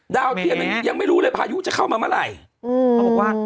ดาวเทียมยังไม่รู้เลยพายุจะเข้ามาเมื่อไหร่เขาบอกว่า